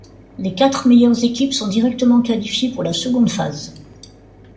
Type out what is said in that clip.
Les quatre meilleures équipes sont directement qualifiées pour la seconde phase.